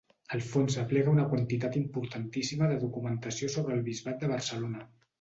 El fons aplega una quantitat importantíssima de documentació sobre el bisbat de Barcelona.